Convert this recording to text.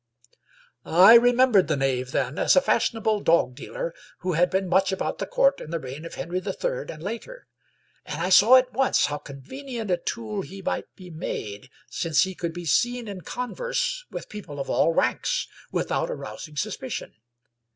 I remembered the knave, then, as a fashionable dog dealer, who had been much about the court in the reign of Henry the Third and later; and I saw at once how con venient a tool he might be made, since he could be seen in converse with people of all ranks without arousing sus picion.